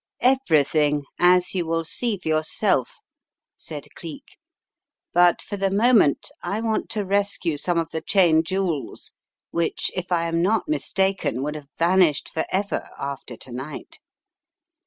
" "Everything, as you will see for yourself," said Cleek, "but for the moment, I want to rescue some of the Cheyne jewels which, if I am not mistaken, would have vanished forever after to night."